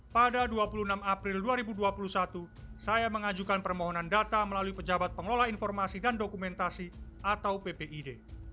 pada dua puluh enam april dua ribu dua puluh satu saya mengajukan permohonan data melalui pejabat pengelola informasi dan dokumentasi atau ppid